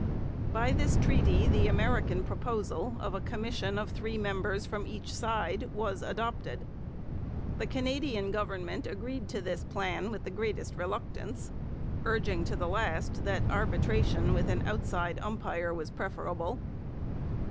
By this treaty the American proposal of a commission of three members from each side was adopted. The Canadian Government agreed to this plan with the greatest reluctance, urging to the last that arbitration with an outside umpire was preferable.